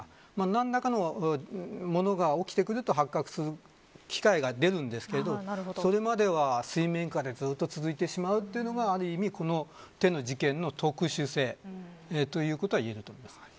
何らかのものが起きてくると発覚する機会が出るんですがそれまでは水面下でずっと続いてしまうというのがある意味この手の事件の特殊性ということはいえると思います。